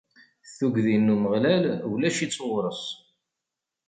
Tuggdi n Umeɣlal ulac-itt ɣur-s.